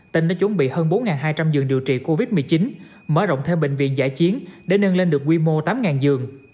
tỉnh đã chuẩn bị hơn bốn hai trăm linh giường điều trị covid một mươi chín mở rộng thêm bệnh viện giải chiến để nâng lên được quy mô tám giường